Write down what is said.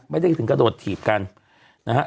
ไม่ได้ถึงกระโดดถีบกันนะฮะ